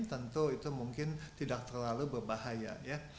tentu itu mungkin tidak terlalu berbahaya ya